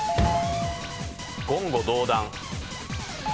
言語道断。